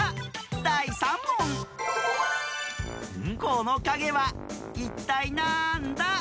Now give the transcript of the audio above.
このかげはいったいなんだ？